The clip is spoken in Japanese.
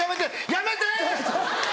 やめて！